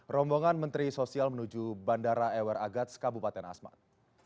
rombongan menteri sosial menuju bandara ewer agats kabupaten asmat